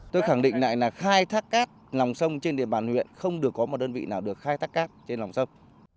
tôi khẳng định lại là khai thác cát lòng sông trên địa bàn huyện không được có một đơn vị nào được khai thác cát trên lòng sông